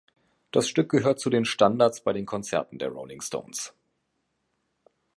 Das Stück gehört zu den Standards bei den Konzerten der Rolling Stones.